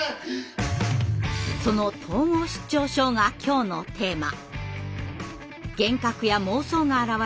その統合失調症が今日のテーマ。